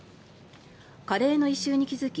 カレーの異臭に気付き